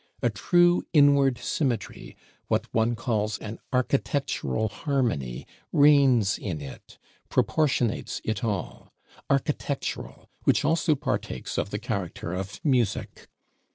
A true inward symmetry, what one calls an architectural harmony, reigns in it, proportionates it all: architectural; which also partakes of the character of music.